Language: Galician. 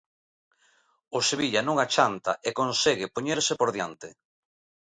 O Sevilla non achanta e consegue poñerse por diante.